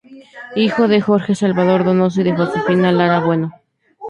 Hijo de Jorge Salvador Donoso y de Josefina Lara Bueno.